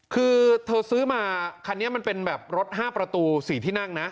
คือเธอซื้อมาคันนี้มันเป็นแบบรถ๕ประตู๔ที่นั่งนะ